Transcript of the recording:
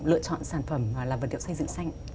lựa chọn sản phẩm là vật liệu xây dựng xanh